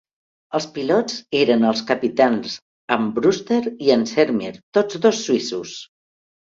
Els pilots eren els capitans Armbruster i Ansermier, tots dos suïssos.